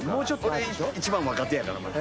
俺一番若手やからまだ。